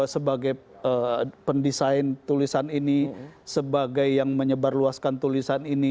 sebagai pendesain tulisan ini sebagai yang menyebarluaskan tulisan ini